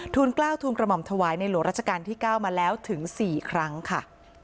กล้าวทูลกระหม่อมถวายในหลวงราชการที่๙มาแล้วถึง๔ครั้งค่ะ